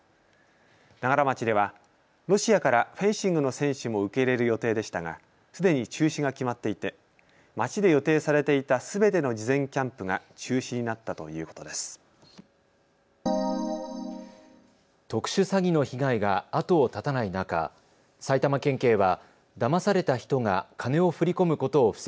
長柄町ではロシアからフェンシングの選手も受け入れる予定でしたが、すでに中止が決まっていて町で予定されていたすべての事前キャンプが中止になったということです。